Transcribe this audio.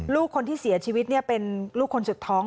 ลูกคนที่เสียชีวิตเป็นลูกคนสุดท้อง